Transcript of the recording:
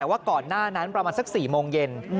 แต่ว่าก่อนหน้านั้นประมาณสัก๔โมงเย็น